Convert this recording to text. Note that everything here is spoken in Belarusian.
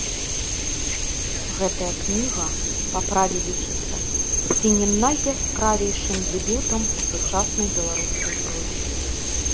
Гэтая кніга па праве лічыцца ці не найяскравейшым дэбютам у сучаснай беларускай прозе.